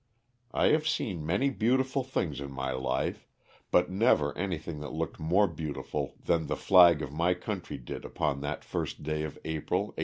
I have seen many beautiful things in my life, but never anything that looked more beau tiful than the flag of my country did upon that 1st day of April, 1865.